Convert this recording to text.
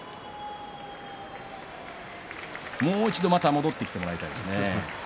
もう一度また戻ってきてもらいたいですね。